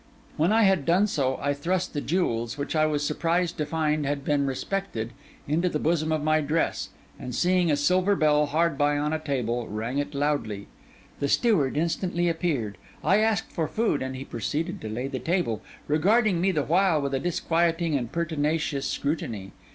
When I had done so, I thrust the jewels, which I was surprised to find had been respected, into the bosom of my dress; and seeing a silver bell hard by upon a table, rang it loudly. The steward instantly appeared; I asked for food; and he proceeded to lay the table, regarding me the while with a disquieting and pertinacious scrutiny.